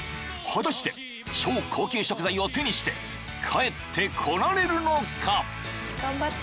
［果たして超高級食材を手にして帰ってこられるのか？］